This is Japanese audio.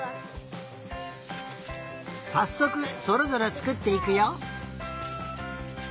さっそくそれぞれつくっていくよ。